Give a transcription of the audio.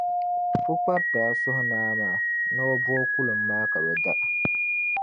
Pukpari daa suhi Naa maa ni o booi kulim maa ka be da.